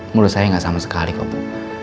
menurut saya enggak sama sekali bu